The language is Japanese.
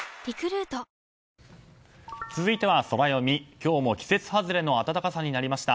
今日も季節外れの暖かさになりました。